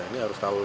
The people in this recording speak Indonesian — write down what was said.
ini harus terjadi